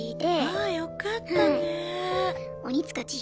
ああよかったね。